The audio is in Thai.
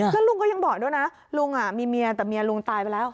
แล้วลุงก็ยังบอกด้วยนะลุงมีเมียแต่เมียลุงตายไปแล้ว